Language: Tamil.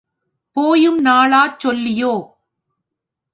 போயும் நாளாச் சோல்லியோ?